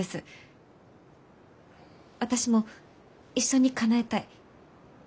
私も一緒にかなえたい。